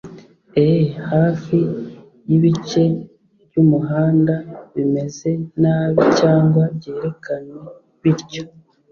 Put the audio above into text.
e hafi y ibice by umuhanda bimeze nabi cyangwa byerekanywe bityo